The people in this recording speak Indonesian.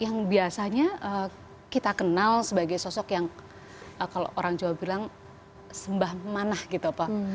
yang biasanya kita kenal sebagai sosok yang kalau orang jawa bilang sembah manah gitu pak